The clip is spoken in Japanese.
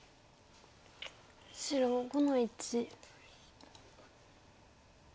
白５の一。